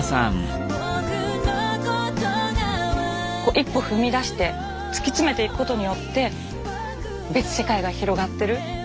一歩踏み出して突き詰めていくことによって別世界が広がってる。